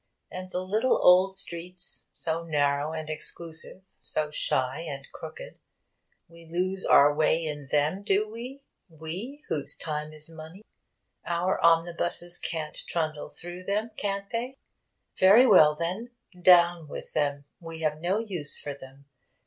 And the little old streets, so narrow and exclusive, so shy and crooked we are making an example of them, too. We lose our way in them, do we? we whose time is money. Our omnibuses can't trundle through them, can't they? Very well, then. Down with them! We have no use for them.